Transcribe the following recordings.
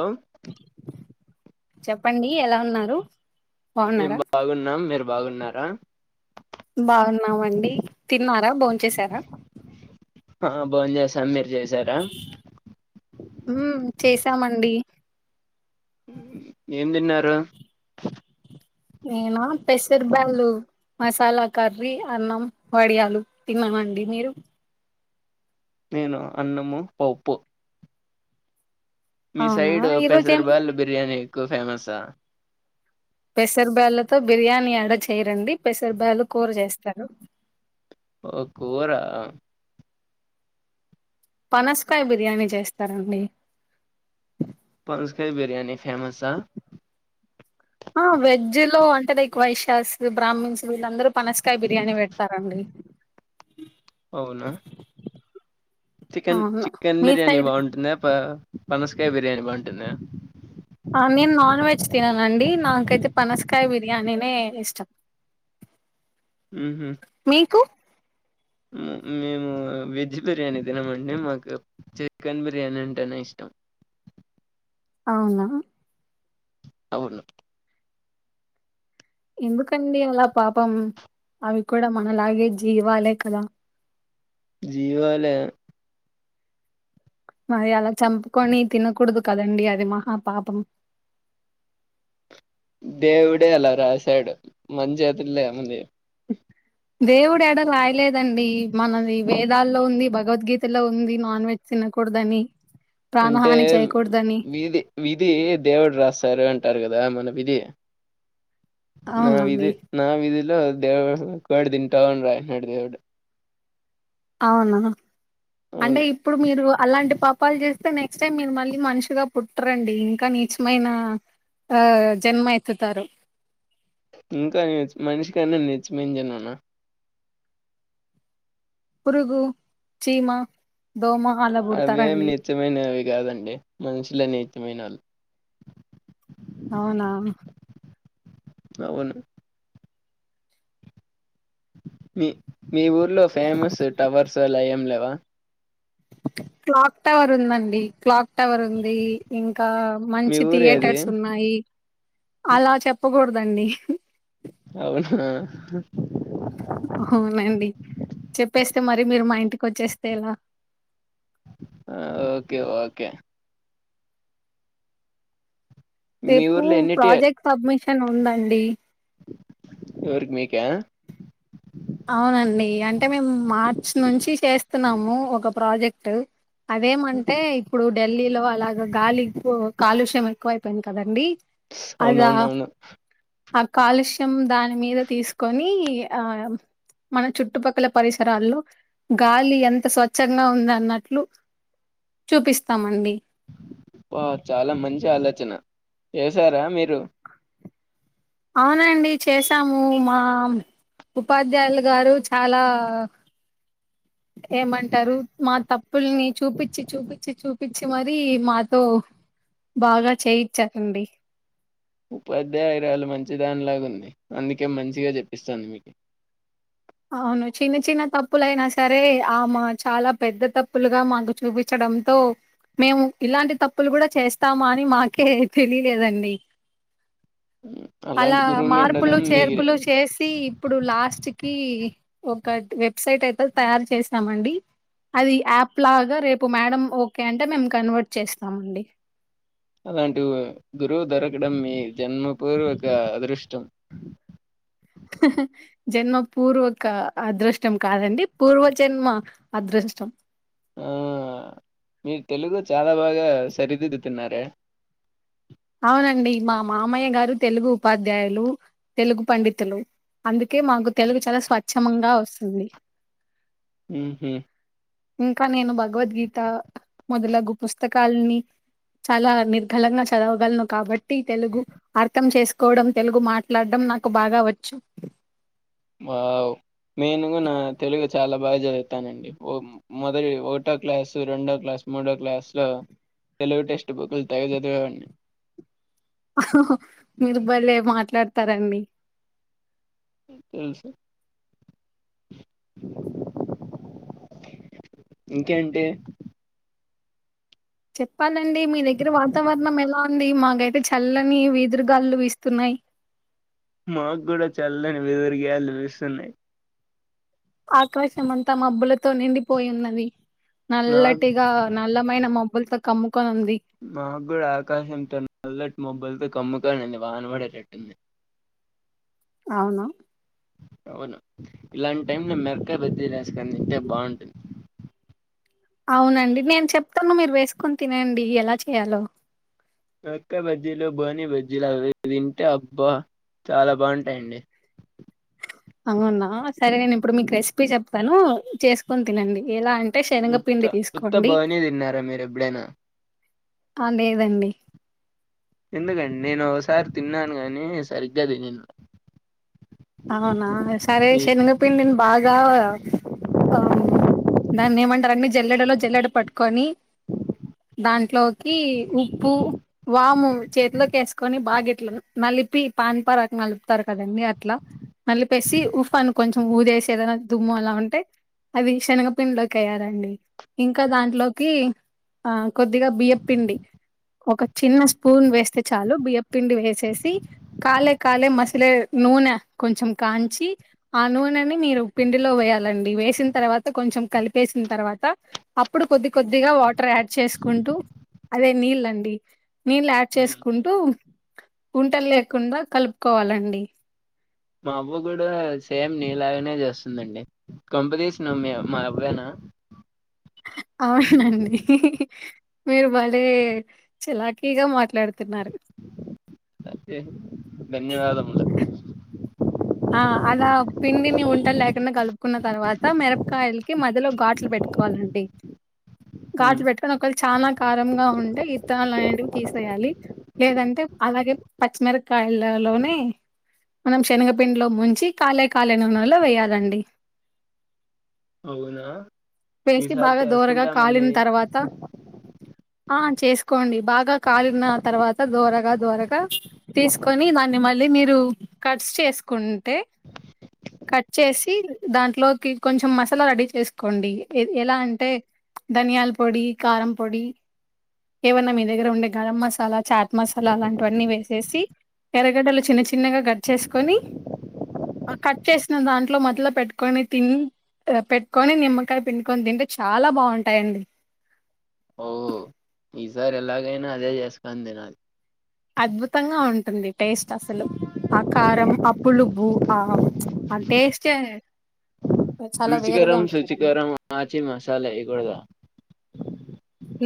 Hello చెప్పండి ఎలా ఉన్నారు మేము బాగున్నారా బాగున్నాం మీరు బాగున్నారా బాగున్నావండి తిన్నారా బో చేశారా ఆ బో చేశాన్ మీరు చేశారా ఉమ్ చేశామండి ఏం తిన్నారు నేనా పెసర్ బళ్లు మసాలా కర్రీ అన్నం వడియాలు తిన్నామండి మీరు నేను అన్నము పప్పు మీ అవునా సైడ్ ఈరోజు ఏం పెసర్బల్ బిర్యానీ ఎక్కువ ఫేమసా పెసర్ బళ్లతో బిర్యానీ ఎడ చేయరండి పెసర్ బళ్లలు కూర చేస్తారు ఓ కూర పనస్కాయ బిర్యానీ చేస్తారండి పనస్కాయ బిర్యానీ ఫేమసా ఆ వెజ్ లో అంటే లైక్ వైషాస్ బ్రాహ్మన్స్ వీళ్ళందరూ పనస్కాయ బిర్యానీ పెడతారండి [inaudible] అవునా చికెన్ అవును చికెన్ మీ బిర్యానీ సైడ్ బాగుంటుందా ప పనస్కాయ బిర్యానీ బాగుంటుందా ఆ నేను నాన్ వెజ్ తిననుండి నాకైతే పనస్కాయ బిర్యానీనే ఇష్టం [inaudible] ఉహు మీకు ము మేము వెజ్ బిర్యానీ తినమండి మాకు చికెన్ బిర్యానీ అంటేనే ఇష్టం అవునా అవును ఎందుకండి అలా పాపం అవి కూడా మనలాగే జీవాలే కదా జీవాలే మరి అలా చంపుకొని తినకూడదు కదండీ అది మహాపాపం దేవుడే అలా రాసాడు మన చైతుల్లో ఏంవుంది దేవుడు ఎడ రాయలేదండి మనది వేదాల్లో ఉంది భగవద్గీతలో ఉంది నాన్ వెజ్ తినకూడదని అంటే ప్రాణహాని చేయకూడదని విధి విధి దేవుడు రాశారు అంటారు కదా మన విధి నా విధి అవునండి నా విధిలో దేవుడు కోడి తింటావ్ అని రాసాడు దేవుడు అవునా అంటే అవును ఇ ఇప్పుడు మీరు అలాంటి పాపాలు చేస్తే నెక్స్ట్ టైమ్ మీరు మళ్ళీ మనిషిగా పుట్టరండి ఇంకా నీచమైన ఆ జన్మ ఎత్తుతారు ఇంకా నీచ్ మనిషి కన్నా నీచమైన జన్మనా పురుగు చీమా అవేం నీచమైనవి కాదండి మనుషులే నీచమైన వాళ్ళు అవునా అవును మీ మీ ఊర్లో ఫేమస్ టవర్స్ అలా ఏం లేవా క్లాక్ టవర్ ఉందండి క్లాక్ టవర్ ఉంది ఇంకా మీ మంచి ఊరు ఏది థియేటర్స్ ఉన్నాయి ఉమ్, అలా చెప్పకూడదండి అవునా అవునండి చెప్పేస్తే మరి మీరు మా ఇంటికి వచ్చేస్తే ఎలా హుమ్ ఓకే ఓకే మీ రేపు ఊర్లో ఎన్ని టీ ప్రాజెక్ట్ సబ్మిషన్ ఉందండి ఎవరికి మీకా అవునండి అంటే మేము మార్చ్ నుంచి చేస్తున్నాము ఒక ప్రాజెక్ట్ అదేమంటే ఇప్పుడు ఢిల్లీలో అలాగ గాలెక్కువ కాలుష్యం ఎక్కువ అయిపోయింది కదండి అదా అవునవునవును ఆ కాలుష్యం దాని మీద తీసుకొని ఆ మన చుట్టుపక్కల పరిసరాల్లో గాలి ఎంత స్వచ్ఛంగా ఉందన్నట్లు చూపిస్తామండి వావ్ చాలా మంచి ఆలోచన చేసారా మీరు అవునండి చేసాము మా ఉపాధ్యాయులు గారు చాలా ఏమంటారు మా తప్పుల్ని చూపిచి చూపిచి చూపిచి మరి మాతో బాగా చేయిచ్చరండి ఉపాధ్యాయురాలు మంచిదానిలాగా ఉంది అందుకే మంచిగా చెప్పిస్తాంది మీకి అవును చిన్న చిన్న తప్పులయినా సరే ఆమా చాలా పెద్ద తప్పులుగా మాకు చూపి చూపిచ్చడంతో మేము ఇలాంటి తప్పులు కూడా చేస్తామా అని మాకే తెలియలేదండి అలా అలాంటి గురువులు మార్పులు ఉండడం మీ చేర్పులు చేసి ఇప్పుడు లాస్ట్ ఒక వెబ్సైట్ అయితే తయారు చేసినామండి అది యాప్ లాగా రేపు మేడం ఓకే అంటే మేము కన్వర్ట్ చేస్తామండి అలాంటి గురువు దొరకడం మీ జన్మ పూర్వక అదృష్టం ఆ జన్మ పూర్వక అదృష్టం కాదండి పూర్వ జన్మ అదృష్టం ఆ మీరు తెలుగు చాలా బాగా సరిదిద్దుతున్నారే అవునండి మా మామయ్య గారు తెలుగు ఉపాధ్యాయులు తెలుగు పండితులు అందుకే మాకు తెలుగు చాలా స్వచ్చమంగా వస్తుంది హుమ్ హూ ఇంకా నేను భగవద్గీత మొదలగు పుస్తకాలని చాలా నిర్ఘలంగా చదవగలను కాబట్టి తెలుగు అర్థం చేసుకోవడం తెలుగు మాట్లాడడం నాకు బాగా వచ్చు వావ్ నేను గునా తెలుగు చాలా బాగా చదువుతానండి ఓ మొదటి ఒకటో క్లాసు రెండో క్లాస్ మూడో క్లాస్ ల తెలుగు టెక్స్ట్ బుక్లు తెగ చదివేవాన్ని మీరు బలే మాట్లాడతారండి తెలుసు ఇంకేంటి చెప్పాలండి మీ దగ్గర వాతావరణం ఎలా ఉంది మాకైతే చల్లని వీదురుగాలులు వీస్తున్నాయ్ మాగ్గూడ చల్లని వెదరుగ్యాలులు వీస్తున్నాయి ఆకాశం అంతా మబ్బులతో నిండిపోయిన్నది నాకు నల్లటిగా నలమైన మబ్బులతో కమ్ముకొనుంది మాగ్గూడ ఆకాశంతో నల్లటి మబ్బులతో కమ్ముకొనుంది వాన పడేటట్టుంది అవున అవును ఇలాంటి టైం లో మిరక్కాయ బజ్జీలు వేసుకొని తింటే బాగుంటుంది అవునండి నేను చెప్తాను మీరు వేసుకొని తినండి ఎలా చేయాలో మిరక్కాయ బజ్జీలు బోనీ బజ్జీలు అవి తింటే అబ్బా చాలా బాగుంటాయండి అవునా సరే నేను ఇప్పుడు మీకు రెసిపీ చెప్తాను చేసుకుని తినండి ఎలా అన్ ఉత్త ఉత్త భవని తిన్నారా మీరు ఎప్పుడేనా ఆ లేదండి ఎందుకండి నేను ఒకసారి తిన్నాను గాని సరిగ్గా తినిన్ల అవునా సరే శనగపిండిని బాగా అవున దాన్ని ఏమంటారండి మీ జల్లెడలో జల్లెడ పట్టుకొని దాంట్లోకి ఉప్పు వాము చేతిలోకి వేసుకొని బాగా ఇట్లా నలిపి పాన్ పరాక నలుపుతారు కదండీ అట్లా నలిపేసి ఉఫ్ అని కొంచెం ఊదేసి ఏదైనా దుమ్ము అలా ఉంటే అది శనగపిండిలోకెయ్యాలండి ఇంకోదాంట్లోకి ఆ కొద్దిగా బియ్యప్పిండి ఒక చిన్న స్పూన్ వేస్తే చాలు బియ్యప్పిండి వేసేసి కాలే కాలే మసెలే నూనె కొంచెం కాంచి ఆ నూనెని మీరు పిండిలో వేయాలండి వేసిన తర్వాత కొంచెం కలిపేసిన తర్వాత అప్పుడు కొద్ది కొద్దిగా వాటర్ యాడ్ చేసుకుంటూ అదే నీళ్ళండి నీళ్ళు యాడ్ ఉమ్, చేసుకుంటూ ఉంటల్లేకుండా కలుపుకోవాలండి మా అవ్వ కూడా సేమ్ నీలాగనే చేస్తుందండి కొంపదీసి నువ్ మీ మా అవ్వేనా అవునండి మీరు బలే చలాకీగా మాట్లాడుతున్నారు ఒకె ధన్యవాదములు ఆ అలా పిండిని ఉంటలు లేకుండా కలుపుకున్న తర్వాత మిరపకాయలకి మధ్యలో గాట్లు పెట్టు కోవాలండి ఉమ్, గాజు పెట్టు ఇక్కడ ఒకళ్ళు చాలా కారంగా ఉంటే ఇత్తనాలు అనేంటివి తీసేయాలి లేదంటే అలాగే పచ్చిమిరక్కాయలలోనే మనం శనగ పిండ్లో ముంచి కాలే కాలే నూనెలో వేయాలండి అవునా వేసి ఈసారి బాగా దోరగా కాలిన్ చేసుకుంటామండి తర్వాత ఆ చేసుకోండి బాగా కాలిన తర్వాత దోరగా దోరగా తీసుకొని దాన్ని మళ్ళీ మీరు కట్స్ చేసుకుంటే కట్ చేసి దాంట్లోకి కొంచెం మసాలా రెడీ చేసుకోండి ఎ ఎలా అంటే ధనియాలపొడి కారంపొడి ఏవన్నా మీ దగ్గర ఉండే గరం మసాలా చాట్ మసాలా అలాంటివన్నీ వేసేసి ఎరగడ్డలు చిన్న చిన్నగా కట్ చేసుకొని కట్ చేసిన దాంట్లో మధ్యలో పెట్టుకొని తిని ఇగ పెట్టుకొని నిమ్మకాయ పిండుకొని తింటే చాలా బాగుంటాయండి ఈ సారి ఎలాగైనా అదే చేసుకొని తినాలి అద్భుతంగా ఉంటుంది టేస్ట్ అసలు ఆ కారం అప్ పులుగు ఆహం ఆ టేస్టే చాలా వేరుగా రుచికరం ఉంటుందండి శుచికరం ఆచి మసాలా ఏయ్యకూడదా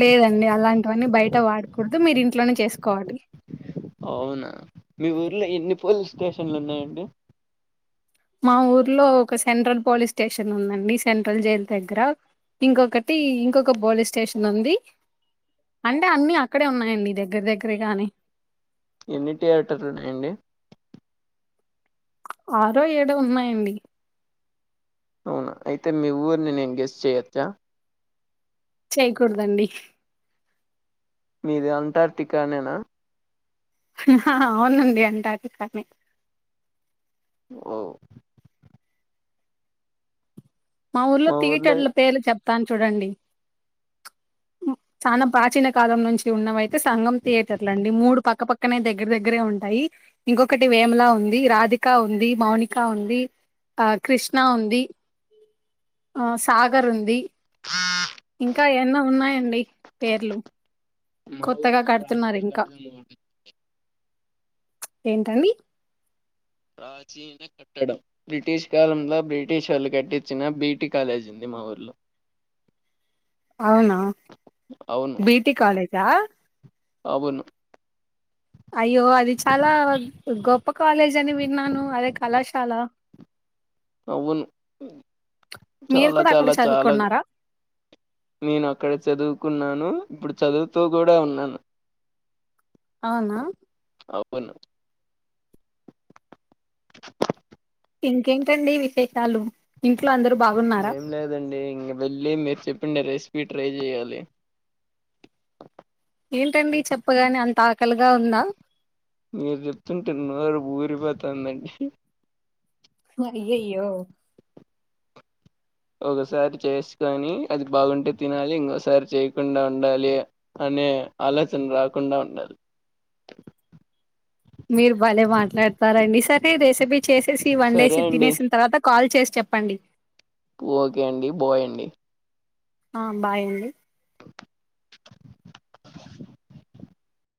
లేదండి అలాంటివన్నీ బయట వాడకూడదు మీరు ఇంట్లోనే చేసుకోవాటి అవునా మీ ఊర్లో ఎన్ని పోలీస్ స్టేషన్లు ఉన్నాయండి మా ఊర్లో ఒక సెంట్రల్ పోలీస్ స్టేషన్ ఉందండి సెంట్రల్ జైల్ దగ్గర ఇంకొకటి ఇంకొక పోలీస్ స్టేషన్ ఉంది అంటే అన్ని అక్కడే ఉన్నాయండి దగ్గర దగ్గరే గాని ఎన్ని థియేటర్లు ఉన్నాయండి ఆరో ఏడో ఉన్నాయండి అవునా అయితే మీ ఊరి నేను గెస్ చేయోచ్చా చేయకూడదండి మీది అంటార్టికా నేనా హా అవునండి అంటార్టికానే ఓ మా ఊర్లో థియేటర్ల పేర్లు చెప్తాను చూడండి చాలా ప్రాచీన కాలం నుంచి ఉన్నవయితే సంగం థియేటర్లు అండి మూడు పక్కపక్కనే దగ్గర దగ్గరే ఉంటాయి ఇంకొకటి వేమలా ఉంది రాధిక ఉంది మౌనికా ఉంది ఆ కృష్ణ ఉంది ఆ సాగర్ ఉంది ఇంకా ఎన్నో ఉన్నాయండి పేర్లు మా కొత్తగా ఊరూ కడుతున్నారు ప్రాచీన ఇంకా. కట్టడం అండి ఏంటండి ప్రాచీన కట్టడం బ్రిటిష్ కాలంలో బ్రిటిష్ ఓళ్ళు కట్టించిన బీటి కాలేజీ ఉంది మా ఊర్లో అవునా అవును బిటి కాలేజా అవును అయ్యో అది చాలా గొప్ప కాలేజ్ అని విన్నాను అదే కళాశాల అవ్వును మీరు చాలా కూడా అక్కడ చాలా చాలా చదువుకున్నారా నేను అక్కడే చదువుకున్నాను ఇప్పుడు చదువుతూ కూడా ఉన్నాను అవునా అవ్వును ఇంకేంటండి విశేషాలు ఇంట్లో అందరు బాగున్నారా ఏం లేదండి ఇంగ వెళ్ళి మీరు చెప్పిండా రెసిపీ ట్రై చెయ్యాలి ఏంటండి చెప్పగానే అంత ఆకలిగా ఉందా మీరు చెప్తుంటే నోరు ఊరిపోతుందండి అయ్యయ్యో ఒకసారి చేసుకోని అది బాగుంటే తినాలి ఇంకోసారి చేయకుండా ఉండాలి అనే ఆలోచన రాకుండా ఉండాలి మీరు భలే మాట్లాడతారండి సరే రెసిపీ చేసేసి సరే వండేసి అండి తినేసిన తర్వాత కాల్ చేసి చెప్పండి ఓకే అండి బాయండి ఆ బాయండి